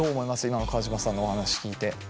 今の川島さんのお話聞いて。